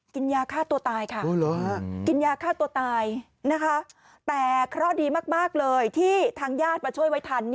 กินยาฆ่าตัวตายค่ะกินยาฆ่าตัวตายนะคะแต่เคราะห์ดีมากเลยที่ทางญาติมาช่วยไว้ทัน